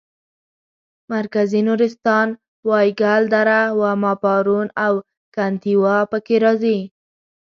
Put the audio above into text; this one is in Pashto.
مرکزي نورستان وایګل دره واما پارون او کنتیوا پکې راځي.